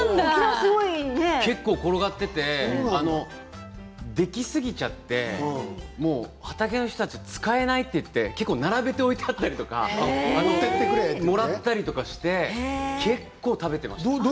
結構転がっていてできすぎちゃって畑の人たち使えないと言って並べて置いてあったりとかもらったりして結構食べていました。